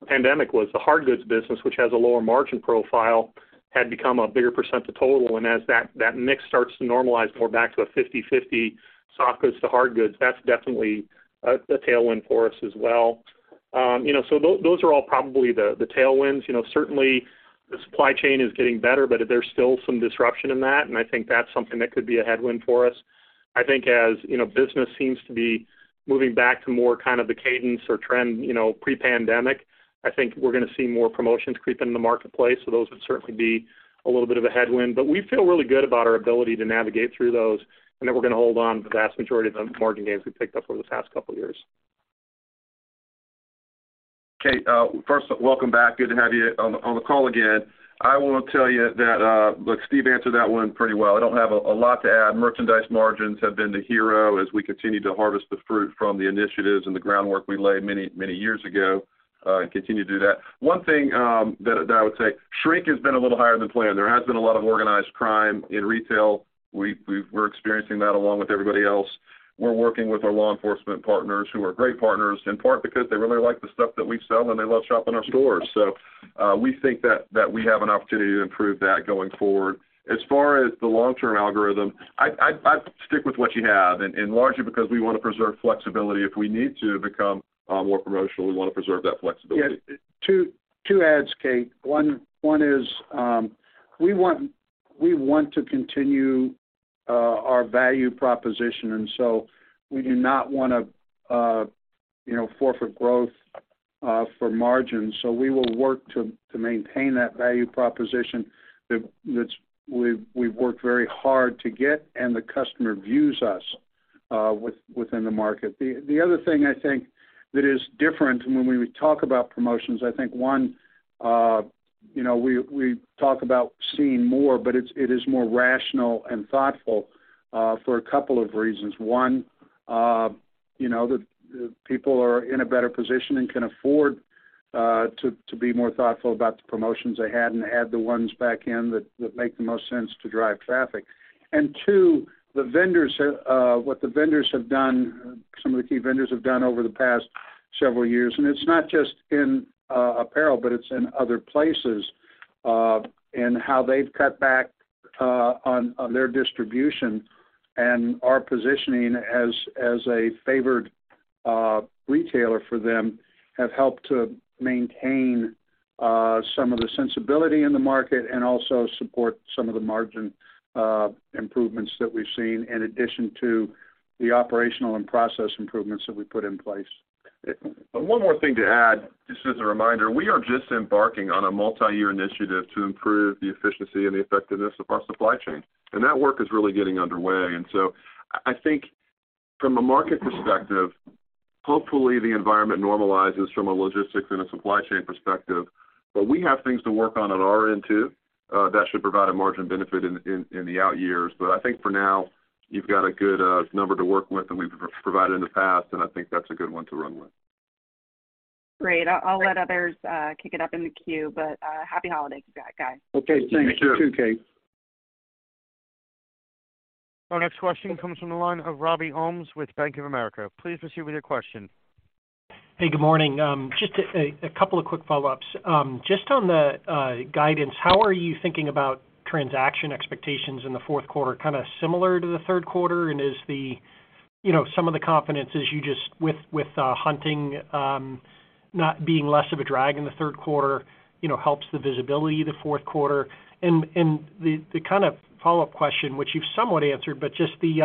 Speaker 5: the pandemic was the hard goods business, which has a lower margin profile, had become a bigger percentage of total. As that mix starts to normalize more back to a 50/50 soft goods to hard goods, that's definitely a tailwind for us as well. You know, those are all probably the tailwinds. You know, certainly the supply chain is getting better, but there's still some disruption in that, and I think that's something that could be a headwind for us. I think as, you know, business seems to be moving back to more kind of the cadence or trend, you know, pre-pandemic, I think we're gonna see more promotions creep into the marketplace. Those would certainly be a little bit of a headwind. We feel really good about our ability to navigate through those and that we're gonna hold on to the vast majority of the margin gains we've picked up over this past couple of years.
Speaker 4: Kate, first, welcome back. Good to have you on the call again. I wanna tell you that, look, Steve answered that one pretty well. I don't have a lot to add. Merchandise margins have been the hero as we continue to harvest the fruit from the initiatives and the groundwork we laid many, many years ago, and continue to do that. One thing I would say, shrink has been a little higher than planned. There has been a lot of organized crime in retail. We're experiencing that along with everybody else. We're working with our law enforcement partners, who are great partners, in part because they really like the stuff that we sell, and they love shopping our stores. We think we have an opportunity to improve that going forward. As far as the long-term algorithm, I'd stick with what you have, and largely because we wanna preserve flexibility. If we need to become more promotional, we wanna preserve that flexibility.
Speaker 3: Yes. Two adds, Kate. One is, you know, we want to continue our value proposition. We do not wanna, you know, forfeit growth for margin. We will work to maintain that value proposition that's we've worked very hard to get and the customer views us within the market. The other thing I think that is different when we talk about promotions, I think one, you know, we talk about seeing more, it is more rational and thoughtful for a couple of reasons. One, you know, the people are in a better position and can afford to be more thoughtful about the promotions they had and add the ones back in that make the most sense to drive traffic. Two, the vendors, what the vendors have done, some of the key vendors have done over the past several years, and it's not just in apparel, but it's in other places, and how they've cut back on their distribution and our positioning as a favored retailer for them have helped to maintain some of the sensibility in the market and also support some of the margin improvements that we've seen in addition to the operational and process improvements that we put in place.
Speaker 4: One more thing to add, just as a reminder, we are just embarking on a multi-year initiative to improve the efficiency and the effectiveness of our supply chain. That work is really getting underway. So I think from a market perspective, hopefully the environment normalizes from a logistics and a supply chain perspective. We have things to work on at our end too, that should provide a margin benefit in the out years. I think for now, you've got a good number to work with and we've provided in the past, and I think that's a good one to run with.
Speaker 9: Great. I'll let others kick it up in the queue, but happy holidays, guys.
Speaker 3: Okay. Thanks.
Speaker 4: Thank you.
Speaker 3: You too, Kate.
Speaker 1: Our next question comes from the line of Robert Holmes with Bank of America. Please proceed with your question.
Speaker 10: Hey, good morning. Just a couple of quick follow-ups. Just on the guidance, how are you thinking about transaction expectations in the fourth quarter, kind of similar to the third quarter? And is the, you know, some of the confidence is you just with hunting not being less of a drag in the third quarter, you know, helps the visibility the fourth quarter? And the kind of follow-up question, which you've somewhat answered, but just the,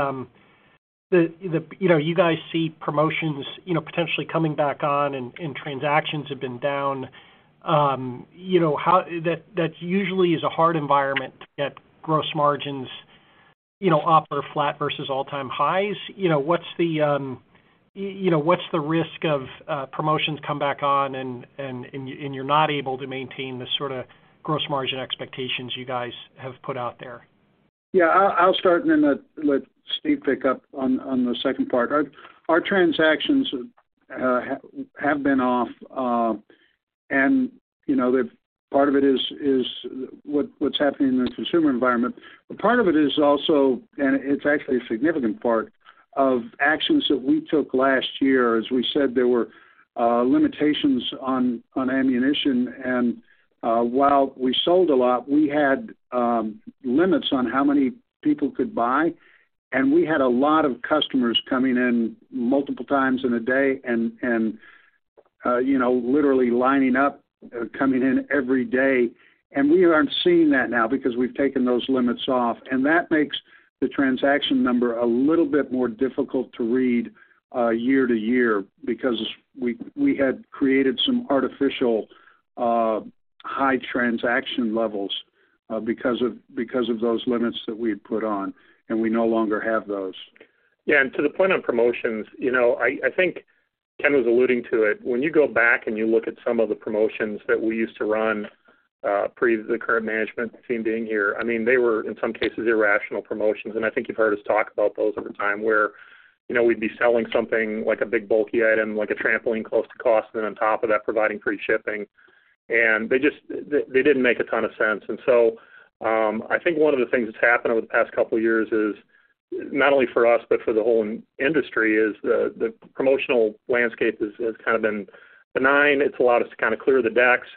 Speaker 10: you know, you guys see promotions, you know, potentially coming back on and transactions have been down. You know, how... That usually is a hard environment to get gross margins, you know, up or flat versus all-time highs. You know, what's the, you know, what's the risk of promotions come back on and you're not able to maintain the sort of gross margin expectations you guys have put out there?
Speaker 3: Yeah, I'll start and then let Steve pick up on the second part. Our transactions have been off, you know, the part of it is what's happening in the consumer environment. Part of it is also, and it's actually a significant part, of actions that we took last year. As we said, there were limitations on ammunition. While we sold a lot, we had limits on how many people could buy, and we had a lot of customers coming in multiple times in a day and, you know, literally lining up, coming in every day. We aren't seeing that now because we've taken those limits off. That makes the transaction number a little bit more difficult to read, year-to-year because we had created some artificial, high transaction levels, because of those limits that we had put on, and we no longer have those.
Speaker 5: Yeah. To the point on promotions, you know, I think Ken was alluding to it. When you go back and you look at some of the promotions that we used to run, pre the current management team being here, I mean, they were, in some cases, irrational promotions. I think you've heard us talk about those over time where, you know, we'd be selling something like a big bulky item, like a trampoline close to cost, and then on top of that, providing free shipping. They didn't make a ton of sense. I think one of the things that's happened over the past couple of years is, not only for us, but for the whole industry, is the promotional landscape has kind of been benign. It's allowed us to kinda clear the decks,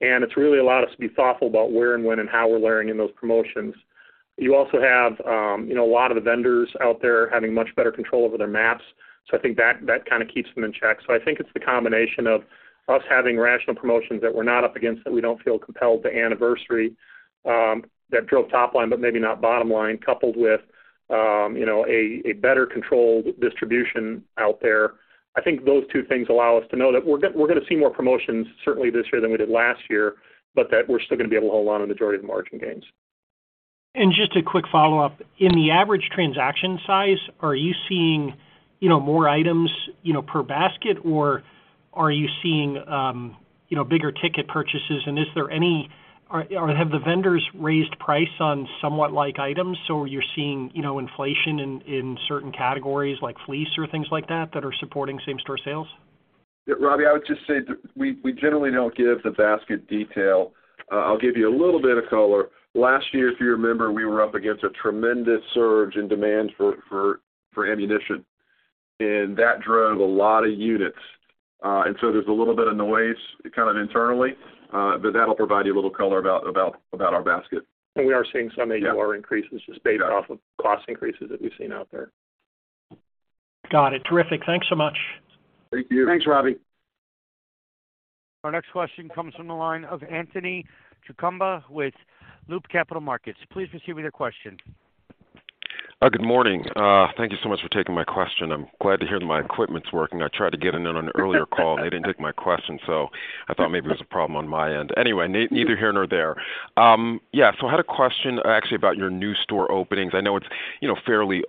Speaker 5: and it's really allowed us to be thoughtful about where and when and how we're layering in those promotions. You also have, you know, a lot of the vendors out there having much better control over their MAPs, I think that kinda keeps them in check. I think it's the combination of us having rational promotions that we're not up against, that we don't feel compelled to anniversary that drove top line but maybe not bottom line, coupled with, you know, a better controlled distribution out there. I think those two things allow us to know that we're gonna see more promotions certainly this year than we did last year, but that we're still gonna be able to hold on to the majority of the margin gains.
Speaker 10: Just a quick follow-up. In the average transaction size, are you seeing, you know, more items, you know, per basket, or are you seeing, you know, bigger ticket purchases? Is there any... Or have the vendors raised price on somewhat like items, so you're seeing, you know, inflation in certain categories like fleece or things like that are supporting same store sales?
Speaker 4: Robbie, I would just say that we generally don't give the basket detail. I'll give you a little bit of color. Last year, if you remember, we were up against a tremendous surge in demand for ammunition, and that drove a lot of units. There's a little bit of noise kind of internally. That'll provide you a little color about our basket.
Speaker 5: we are seeing some ADR increases just based off of cost increases that we've seen out there.
Speaker 10: Got it. Terrific. Thanks so much.
Speaker 4: Thank you.
Speaker 3: Thanks, Robbie.
Speaker 1: Our next question comes from the line of Anthony Chukumba with Loop Capital Markets. Please proceed with your question.
Speaker 11: Good morning. Thank you so much for taking my question. I'm glad to hear that my equipment's working. I tried to get in on an earlier call. They didn't take my question, so I thought maybe it was a problem on my end. Anyway, neither here nor there. Yeah, so I had a question actually about your new store openings. I know it's, you know, fairly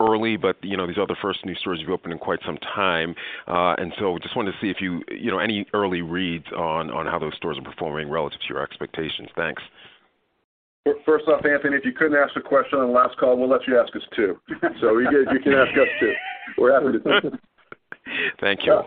Speaker 11: early, but, you know, these are the first new stores you've opened in quite some time. Just wanted to see if you... You know, any early reads on how those stores are performing relative to your expectations? Thanks.
Speaker 4: Anthony, if you couldn't ask the question on the last call, we'll let you ask us two. You can ask us two. We're happy to.
Speaker 11: Thank you.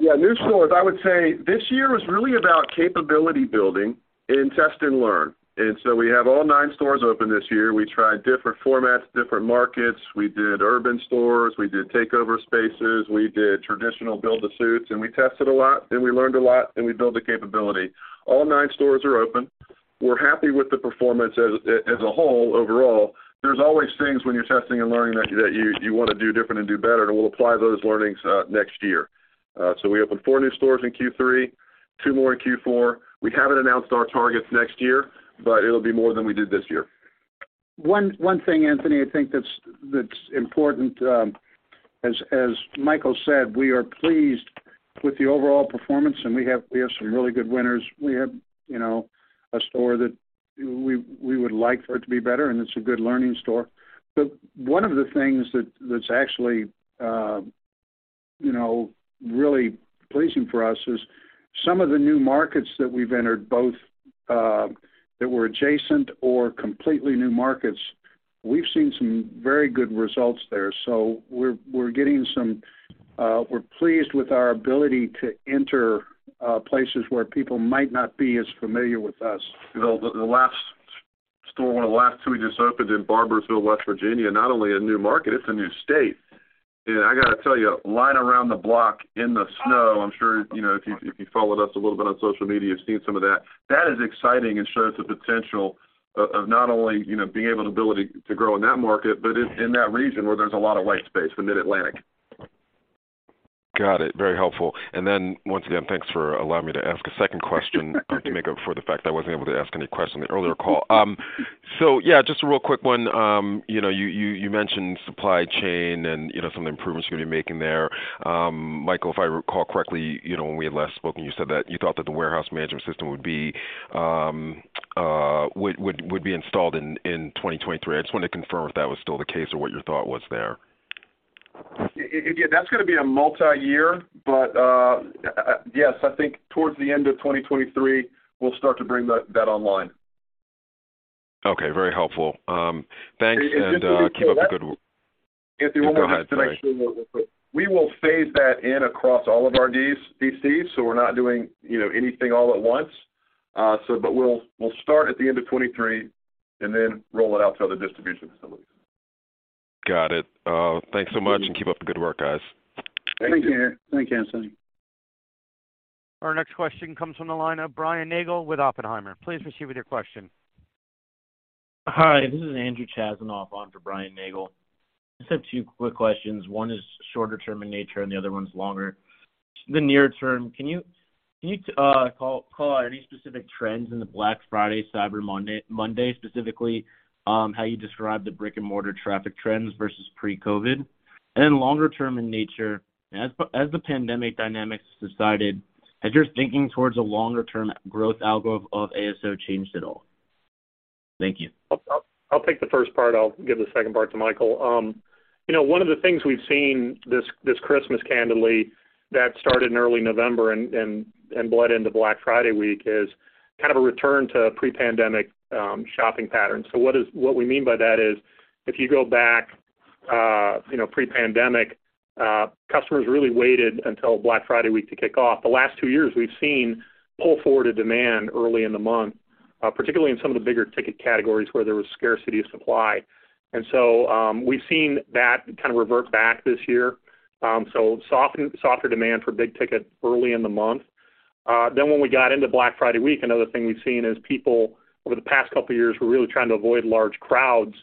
Speaker 4: New stores. I would say this year is really about capability building and test and learn. We have all nine stores open this year. We tried different formats, different markets. We did urban stores. We did takeover spaces. We did traditional build to suits, and we tested a lot, and we learned a lot, and we built the capability. All nine stores are open. We're happy with the performance as a whole, overall. There's always things when you're testing and learning that you wanna do different and do better, and we'll apply those learnings next year. We opened four new stores in Q3, two more in Q4. We haven't announced our targets next year, but it'll be more than we did this year.
Speaker 3: One thing, Anthony, I think that's important, as Michael said, we are pleased with the overall performance, and we have some really good winners. We have, you know, a store that we would like for it to be better, and it's a good learning store. One of the things that's actually, you know, really pleasing for us is some of the new markets that we've entered, both that were adjacent or completely new markets, we've seen some very good results there. We're getting some. We're pleased with our ability to enter places where people might not be as familiar with us.
Speaker 4: The last store, one of the last two we just opened in Barboursville, West Virginia, not only a new market, it's a new state. I gotta tell you, line around the block in the snow. I'm sure, you know, if you followed us a little bit on social media, you've seen some of that. That is exciting and shows the potential of not only, you know, ability to grow in that market but in that region where there's a lot of white space for Mid-Atlantic.
Speaker 11: Got it. Very helpful. Once again, thanks for allowing me to ask a second question to make up for the fact that I wasn't able to ask any question in the earlier call. Yeah, just a real quick one. You know, you mentioned supply chain and, you know, some of the improvements you're gonna be making there. Michael, if I recall correctly, you know, when we had last spoken, you said that you thought that the warehouse management system would be installed in 2023. I just wanted to confirm if that was still the case or what your thought was there.
Speaker 4: Yeah, that's gonna be a multiyear, but, yes, I think towards the end of 2023, we'll start to bring that online.
Speaker 11: Okay. Very helpful. Thanks.
Speaker 4: just to keep-.
Speaker 11: keep up the good-.
Speaker 4: Anthony, one more-
Speaker 11: Go ahead. Sorry.
Speaker 4: I just want to make sure. We will phase that in across all of our DCs, so we're not doing, you know, anything all at once. We'll start at the end of 2023 and then roll it out to other distribution facilities.
Speaker 11: Got it. Thanks so much. Keep up the good work, guys.
Speaker 4: Thank you.
Speaker 3: Thank you. Thanks, Anthony.
Speaker 1: Our next question comes from the line of Brian Nagel with Oppenheimer. Please proceed with your question.
Speaker 12: Hi, this is Andrew Chasanoff on for Brian Nagel. I just have two quick questions. One is shorter term in nature, and the other one's longer. The near term, can you call out any specific trends in the Black Friday, Cyber Monday, specifically, how you describe the brick-and-mortar traffic trends versus pre-COVID? Longer term in nature, as the pandemic dynamics decided, has your thinking towards a longer term growth outlook of ASO changed at all? Thank you.
Speaker 5: I'll take the first part. I'll give the second part to Michael. You know, one of the things we've seen this Christmas, candidly, that started in early November and bled into Black Friday week, is kind of a return to pre-pandemic shopping patterns. What we mean by that is if you go back, you know, pre-pandemic, customers really waited until Black Friday week to kick off. The last two years, we've seen pull forward a demand early in the month, particularly in some of the bigger ticket categories where there was scarcity of supply. We've seen that kind of revert back this year. Softer demand for big ticket early in the month. When we got into Black Friday week, another thing we've seen is people over the past couple of years were really trying to avoid large crowds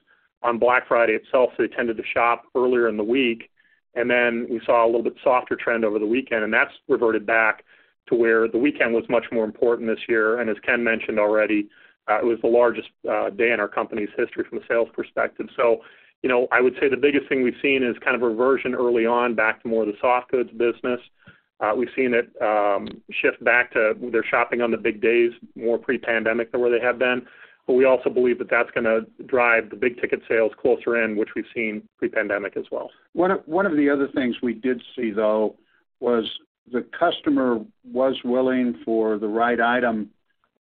Speaker 5: on Black Friday itself. They tended to shop earlier in the week, and then we saw a little bit softer trend over the weekend, and that's reverted back to where the weekend was much more important this year. As Ken mentioned already, it was the largest day in our company's history from a sales perspective. You know, I would say the biggest thing we've seen is kind of reversion early on back to more of the soft goods business. We've seen it shift back to their shopping on the big days, more pre-pandemic than where they have been. We also believe that that's gonna drive the big ticket sales closer in which we've seen pre-pandemic as well.
Speaker 3: One of the other things we did see, though, was the customer was willing for the right item,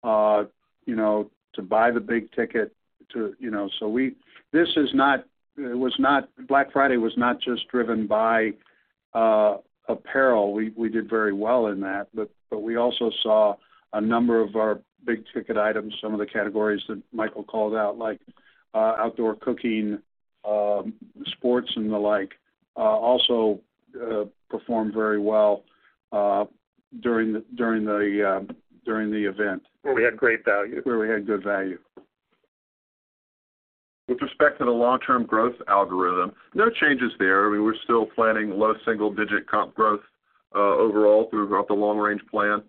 Speaker 3: you know, to buy the big ticket to, you know. This is not, it was not, Black Friday was not just driven by apparel. We did very well in that, but we also saw a number of our big ticket items, some of the categories that Michael called out, like, outdoor cooking, sports, and the like, also performed very well during the event.
Speaker 4: Where we had great value.
Speaker 3: Where we had good value.
Speaker 4: With respect to the long-term growth algorithm, no changes there. We were still planning low single-digit comp growth overall throughout the long range plan.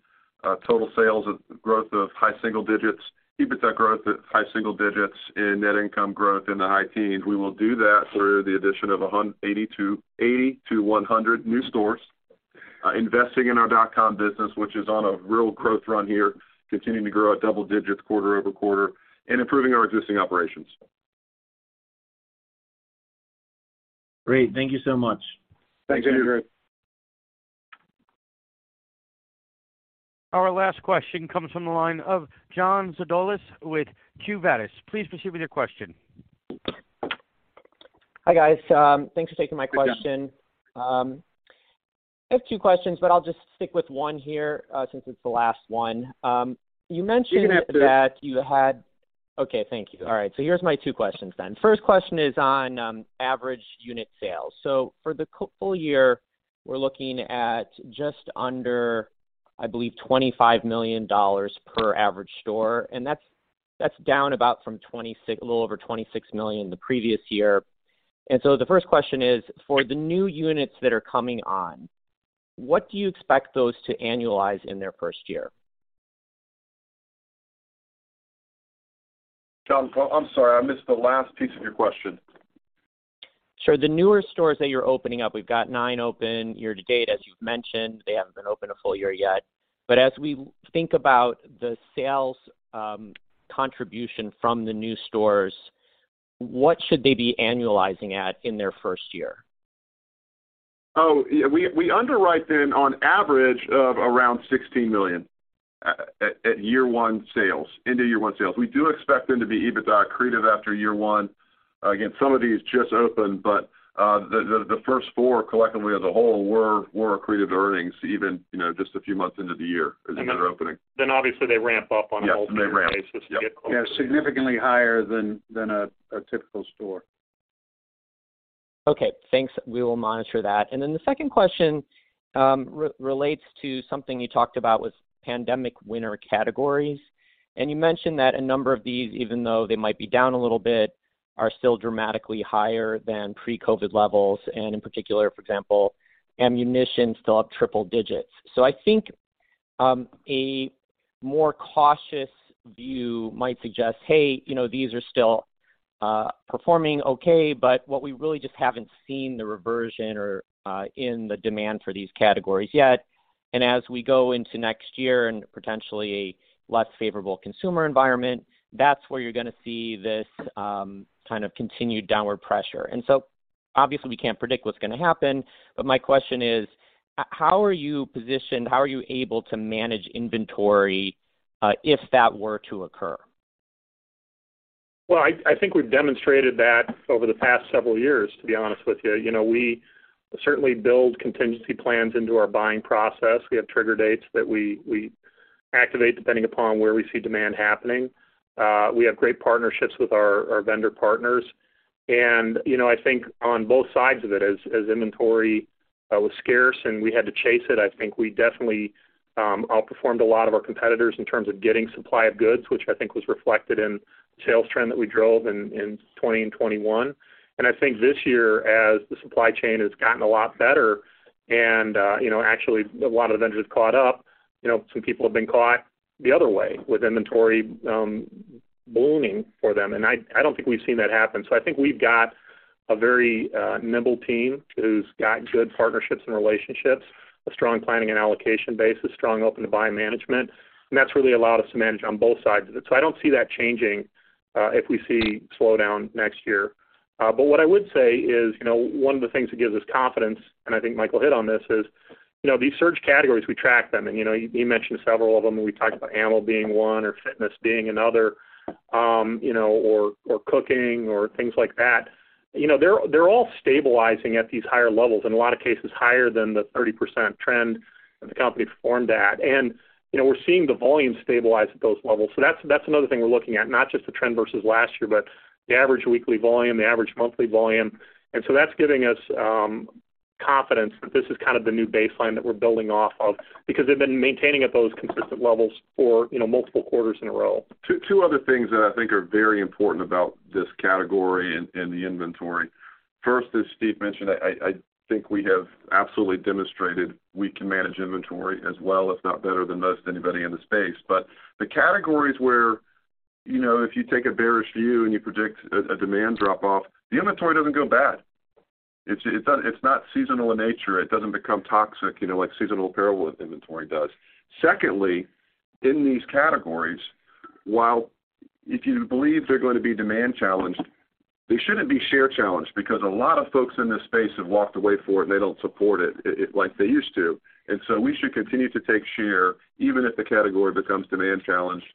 Speaker 4: Total sales growth of high single-digits, EBITDA growth at high single-digits, and net income growth in the high teens. We will do that through the addition of 80-100 new stores, investing in our dot-com business, which is on a real growth run here, continuing to grow at double-digits quarter-over-quarter and improving our existing operations.
Speaker 12: Great. Thank you so much.
Speaker 4: Thanks, Andrew.
Speaker 1: Our last question comes from the line of John Zolidis with Quo Vadis Capital. Please proceed with your question.
Speaker 13: Hi, guys. Thanks for taking my question. I have two questions, but I'll just stick with one here, since it's the last one.
Speaker 4: You can ask two.
Speaker 13: Okay, thank you. All right, here's my two questions then. First question is on average unit sales. For the full year, we're looking at just under, I believe, $25 million per average store. That's down about from a little over $26 million the previous year. The first question is, for the new units that are coming on, what do you expect those to annualize in their first year?
Speaker 4: John, I'm sorry, I missed the last piece of your question.
Speaker 13: Sure. The newer stores that you're opening up, we've got nine open year to date, as you've mentioned. They haven't been open a full year yet. As we think about the sales contribution from the new stores, what should they be annualizing at in their first year?
Speaker 4: We underwrite them on average of around $16 million into year one sales. We do expect them to be EBITDA accretive after year one. Again, some of these just opened, the first four collectively as a whole were accretive to earnings even, you know, just a few months into the year as they were opening.
Speaker 5: obviously they ramp up on an ongoing basis to get closer.
Speaker 3: Yeah, significantly higher than a typical store.
Speaker 13: Okay, thanks. We will monitor that. The second question relates to something you talked about was pandemic winner categories. You mentioned that a number of these, even though they might be down a little bit, are still dramatically higher than pre-COVID levels. In particular, for example, ammunition is still up triple digits. I think a more cautious view might suggest, hey, you know, these are still performing okay, but what we really just haven't seen the reversion or in the demand for these categories yet. As we go into next year and potentially a less favorable consumer environment, that's where you're gonna see this kind of continued downward pressure. Obviously we can't predict what's gonna happen. My question is, how are you positioned? How are you able to manage inventory if that were to occur?
Speaker 5: Well, I think we've demonstrated that over the past several years, to be honest with you. You know, we certainly build contingency plans into our buying process. We have trigger dates that we activate depending upon where we see demand happening. We have great partnerships with our vendor partners. You know, I think on both sides of it, as inventory was scarce and we had to chase it, I think we definitely outperformed a lot of our competitors in terms of getting supply of goods, which I think was reflected in sales trend that we drove in 2020 and 2021. I think this year, as the supply chain has gotten a lot better and, you know, actually a lot of the vendors caught up, you know, some people have been caught the other way with inventory ballooning for them. I don't think we've seen that happen. I think we've got a very nimble team who's got good partnerships and relationships, a strong planning and allocation basis, strong open to buy management, and that's really allowed us to manage on both sides of it. I don't see that changing if we see slowdown next year. What I would say is, you know, one of the things that gives us confidence, and I think Michael hit on this, is, you know, these search categories, we track them. You know, you mentioned several of them, and we talked about ammo being one or fitness being another, you know, or cooking or things like that. You know, they're all stabilizing at these higher levels, in a lot of cases higher than the 30% trend the company performed at. You know, we're seeing the volume stabilize at those levels. That's, that's another thing we're looking at, not just the trend versus last year, but the average weekly volume, the average monthly volume. That's giving us Confidence that this is kind of the new baseline that we're building off of because they've been maintaining at those consistent levels for, you know, multiple quarters in a row.
Speaker 4: Two other things that I think are very important about this category and the inventory. First, as Steve mentioned, I think we have absolutely demonstrated we can manage inventory as well, if not better than most anybody in the space. The categories where, you know, if you take a bearish view and you predict a demand drop off, the inventory doesn't go bad. It's not seasonal in nature. It doesn't become toxic, you know, like seasonal apparel inventory does. Secondly, in these categories, while if you believe they're gonna be demand-challenged, they shouldn't be share-challenged because a lot of folks in this space have walked away for it, and they don't support it like they used to. So we should continue to take share, even if the category becomes demand-challenged.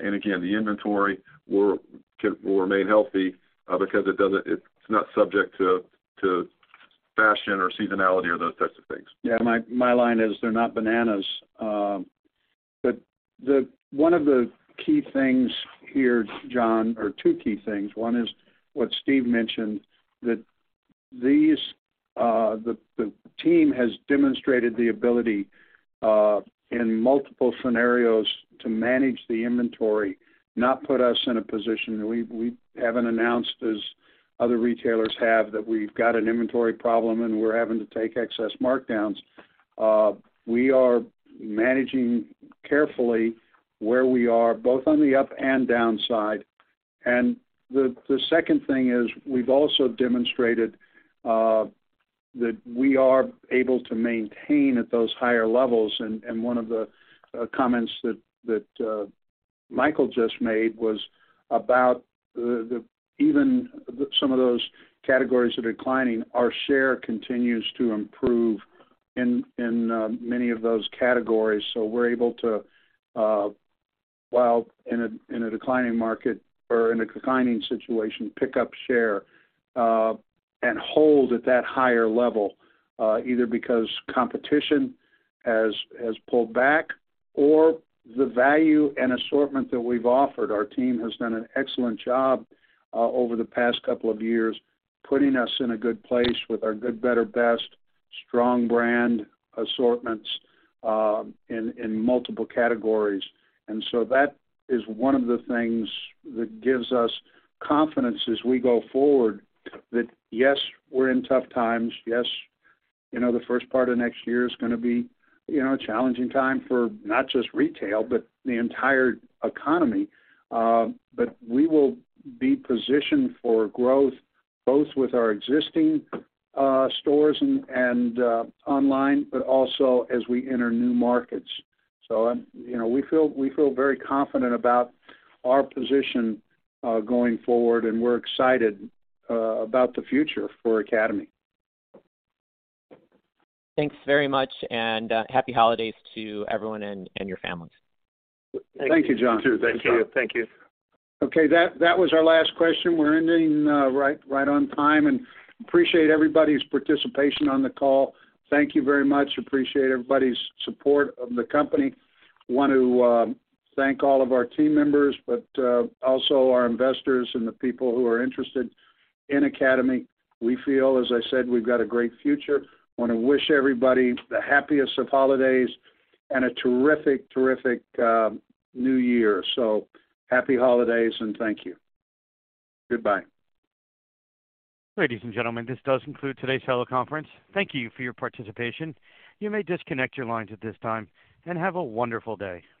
Speaker 4: Again, the inventory will remain healthy because it's not subject to fashion or seasonality or those types of things.
Speaker 3: Yeah, my line is, they're not bananas. One of the key things here, John, or two key things. One is what Steve mentioned, that these, the team has demonstrated the ability in multiple scenarios to manage the inventory, not put us in a position. We haven't announced as other retailers have, that we've got an inventory problem and we're having to take excess markdowns. We are managing carefully where we are, both on the up and down side. The second thing is we've also demonstrated that we are able to maintain at those higher levels. One of the comments that Michael just made was about the even some of those categories are declining. Our share continues to improve in many of those categories. We're able to, while in a declining market or in a declining situation, pick up share, and hold at that higher level, either because competition has pulled back or the value and assortment that we've offered. Our team has done an excellent job over the past couple of years, putting us in a good place with our good, better, best strong brand assortments, in multiple categories. That is one of the things that gives us confidence as we go forward, that yes, we're in tough times. Yes, you know, the first part of next year is gonna be, you know, a challenging time for not just retail, but the entire economy. But we will be positioned for growth both with our existing stores and online, but also as we enter new markets. You know, we feel very confident about our position going forward, and we're excited about the future for Academy.
Speaker 13: Thanks very much and happy holidays to everyone and your families.
Speaker 3: Thank you, John.
Speaker 4: You too. Thanks, John.
Speaker 5: Thank you.
Speaker 3: Okay. That was our last question. We're ending right on time. Appreciate everybody's participation on the call. Thank you very much. Appreciate everybody's support of the company. Want to thank all of our team members. Also our investors and the people who are interested in Academy. We feel, as I said, we've got a great future. Wanna wish everybody the happiest of holidays and a terrific new year. Happy holidays and thank you. Goodbye.
Speaker 1: Ladies and gentlemen, this does conclude today's teleconference. Thank you for your participation. You may disconnect your lines at this time, and have a wonderful day.